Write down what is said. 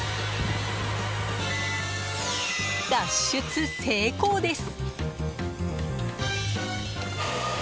脱出成功です！